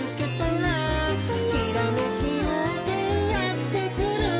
「ひらめきようせいやってくる」